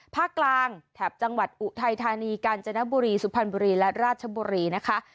ภาคกลางแถบจังหวัดอุทัยธานีกาญจนบุรีสุพรรณบุรีและราชบุรีนะคะ